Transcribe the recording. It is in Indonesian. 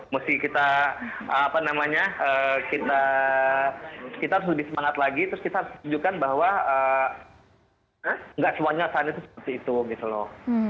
mesti kita apa namanya kita harus lebih semangat lagi terus kita harus tunjukkan bahwa nggak semuanya saat itu seperti itu gitu loh